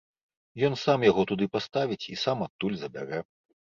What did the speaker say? Ён сам яго туды паставіць і сам адтуль забярэ.